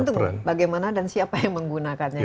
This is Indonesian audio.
itu bagaimana dan siapa yang menggunakannya